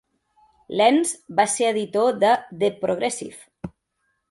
Lens va ser editor de "The progressive".